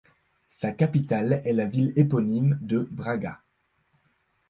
Sa capitale est la ville éponyme de Braga.